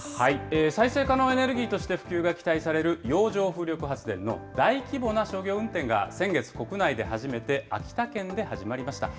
再生可能エネルギーとして普及が期待される洋上風力発電の大規模な商業運転が先月、国内で初めて秋田県で始まりました。